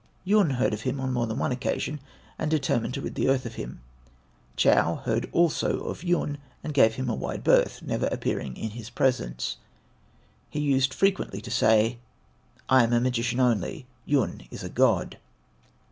Yun heard of him on more than one occasion, and determined to rid the earth of him. Chon heard also of Yun and gave him a wide berth, never appearing in his presence. He used frequently to say, "I am a magician only; Yun is a God."